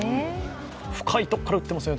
深いとこから打ってますよね